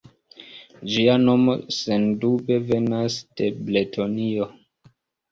Ĝia nomo sendube venas de Bretonio.